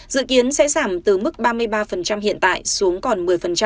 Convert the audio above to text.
dự kiến sẽ giảm từ mức ba mươi ba hiện tại xuống còn một mươi